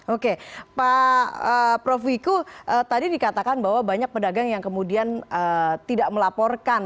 oke pak prof wiku tadi dikatakan bahwa banyak pedagang yang kemudian tidak melaporkan